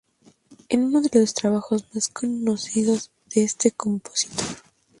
Es uno de los trabajos más conocidos de este compositor.